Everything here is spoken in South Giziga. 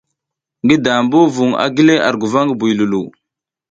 Ngi dambu vung a gile ar guva ngi buy Loulou.